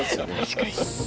確かに。